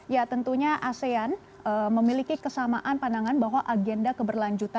ya tentunya asean memiliki kesamaan pandangan bahwa agenda keberlanjutan